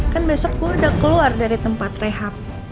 kan besok gue udah keluar dari tempat rehab